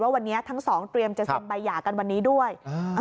วันนี้ทั้งสองเตรียมจะเซ็นใบหย่ากันวันนี้ด้วย